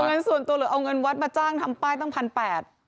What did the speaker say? เออเงินส่วนตัวหรือว่าเอาเงินวัดมาจ้างทำป้ายตั้ง๑๘๐๐บาท